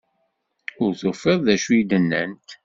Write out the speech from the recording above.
Ur tufiḍ d acu i d-nnant.